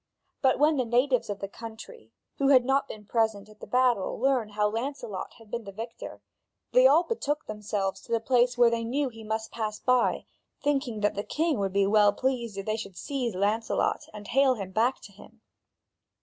But when the natives of the country, who had not been present at the battle, learned how Lancelot had been the victor, they all betook themselves to the place where they knew he must pass by, thinking that the king would be well pleased if they should seize Lancelot and hale him back to him.